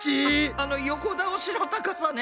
あの横倒しの高さね。